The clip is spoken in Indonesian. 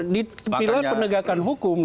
di pilar penegakan hukum